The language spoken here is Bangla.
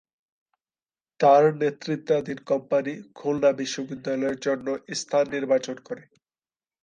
তার নেতৃত্বাধীন কমিটি খুলনা বিশ্ববিদ্যালয়ের জন্য স্থান নির্বাচন করে।